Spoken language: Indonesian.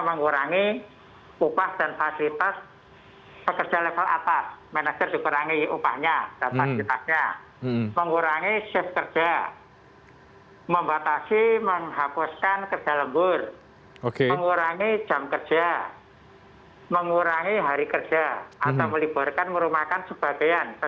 makan sebagian secara bergilir termasuk memberikan hak pensiun bagi yang memenuhi syarat untuk pensiun